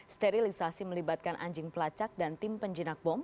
sterilisasi melibatkan anjing pelacak dan tim penjinak bom